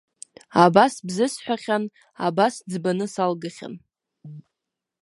Абас бзысҳәахьан, абас ӡбаны салгахьан.